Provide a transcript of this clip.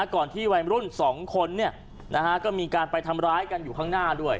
ก่อนที่วัยรุ่น๒คนก็มีการไปทำร้ายกันอยู่ข้างหน้าด้วย